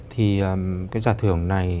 thì cái giả thưởng này